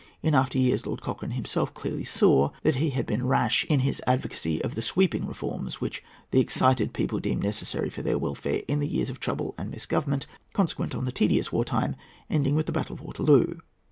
In after years, Lord Cochrane himself clearly saw that he had been rash in his advocacy of the sweeping reforms which the excited people deemed necessary for their welfare in the years of trouble and misgovernment consequent on the tedious war time ending with the battle of Waterloo.